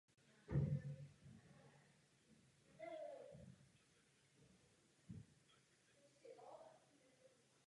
Je to však na pořadu jednání.